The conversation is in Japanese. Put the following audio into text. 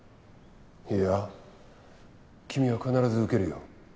いや君は必ず受けるよ。